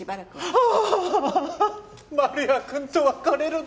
ああ！